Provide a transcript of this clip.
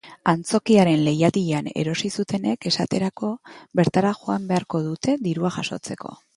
Antzokiaren leihatilan erosi zutenek, esaterako, bertara joan beharko dute dirua jasotzeko.